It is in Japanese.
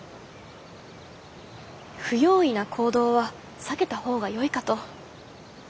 不用意な行動は避けた方がよいかと。